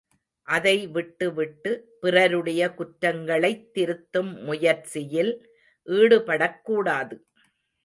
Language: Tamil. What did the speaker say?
அதைவிட்டு விட்டு பிறருடைய குற்றங்களைத் திருத்தும் முயற்சியில் ஈடுபடக்கூடாது.